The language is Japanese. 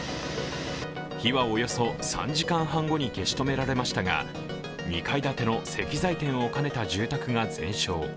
火はおよそ３時間半後に消し止められましたが２階建ての石材店を兼ねた住宅が全焼。